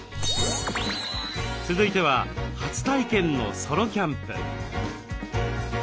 続いては初体験のソロキャンプ。